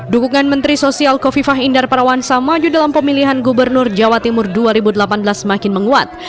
dukungan menteri sosial kofifah indar parawansa maju dalam pemilihan gubernur jawa timur dua ribu delapan belas semakin menguat